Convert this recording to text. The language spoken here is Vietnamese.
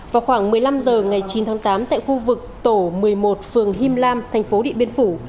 vào khoảng một mươi năm h ngày chín tháng tám tại khu vực tổ một mươi một phường him lam thành phố điện biên phủ